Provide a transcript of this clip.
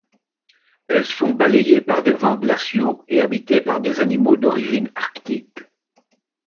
Elles sont balayées par des vents glaciaux et habitées par des animaux d’origine arctique.